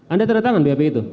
anda tanda tangan bap itu